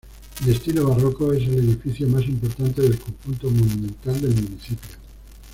De estilo barroco, es el edificio más importante del conjunto monumental del municipio.